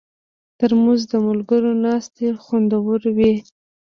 ترموز د ملګرو ناستې خوندوروي.